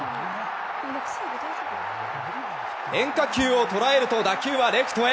変化球を捉えると打球はレフトへ。